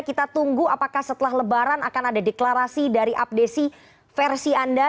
kita tunggu apakah setelah lebaran akan ada deklarasi dari apdesi versi anda